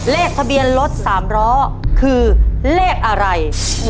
เลขทะเบียนรถ๓ล้อคือเลขอะไร